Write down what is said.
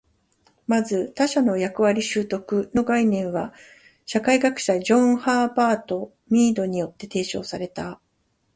まず、「他者の役割取得」の概念は社会学者ジョージ・ハーバート・ミードによって提唱された。